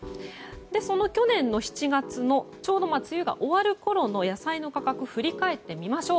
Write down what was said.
去年の７月の梅雨が終わるころの野菜の価格を振り返ってみましょう。